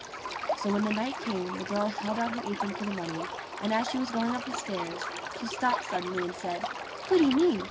So when the night came the girl held out her apron for the money, and as she was going up the stairs, she stopped suddenly and said, "Goody me!